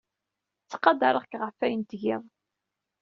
Ttqadareɣ-k ɣef wayen ay tgiḍ.